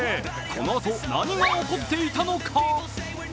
このあと何が起こっていたのか？